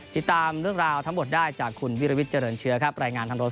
ติดตามเรื่องราวทั้งหมดได้จากวิรี่วอีสเจริญเชื้อรายงานทางโทรศัพท์